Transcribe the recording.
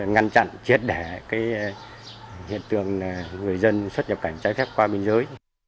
ngăn chặn triệt đẻ hiện tượng người dân xuất nhập cảnh trái phép qua biên giới